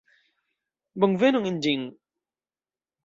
Bonvenon en ĝin!